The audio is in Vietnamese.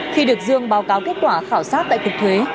khi được dương báo cáo kết quả khảo sát tại cục thuế